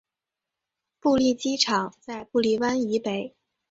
布利机场在布利湾以北。